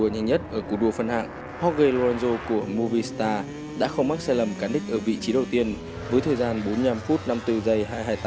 hockey lorenzo của movistar đã không mắc sai lầm cắn đích ở vị trí đầu tiên với thời gian bốn mươi năm phút năm mươi bốn giây hai trăm hai mươi tám